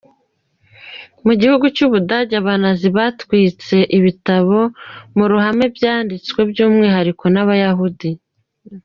Mu gihugu cy’ubudage, abanazi batwitse ibitabo mu ruhame byanditswe by’umwihariko n’abayahudi.